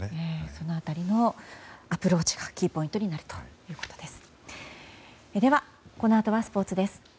その辺りのアプローチがキーポイントになるということです。